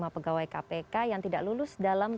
lima pegawai kpk yang tidak lulus dalam